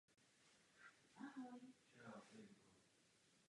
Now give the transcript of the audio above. Na svém kontě má dvě sólová alba a následně několik kompilací a výběrů.